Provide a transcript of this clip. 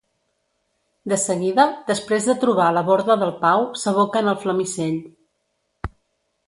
De seguida, després de trobar la borda del Pau, s'aboca en el Flamisell.